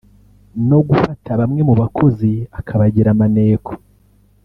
no gufata bamwe mu bakozi akabagira maneko